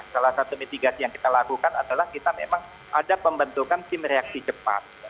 salah satu mitigasi yang kita lakukan adalah kita memang ada pembentukan tim reaksi cepat